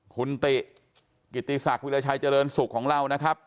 คุณติกิติศักดิราชัยเจริญสุขของเรานะครับ